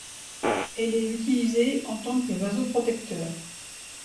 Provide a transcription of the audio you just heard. Elle est utilisée en tant que vasoprotecteur.